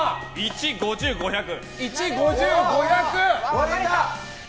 １、５０、５００！